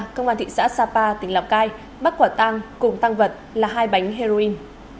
công an thị xã sapa tỉnh lào cai bắt quả tang cùng tăng vật là hai bánh heroin